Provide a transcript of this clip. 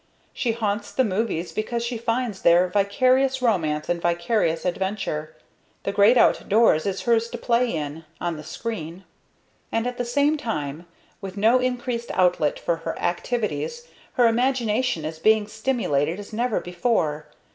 She haunts the movies because she finds there vicarious romance and vicarious adventure. The great out doors is hers to play in on the screen. And at the same time, with no increased outlet for her activities, her imagination is being stimulated as never before.